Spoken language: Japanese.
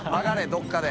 どこかで。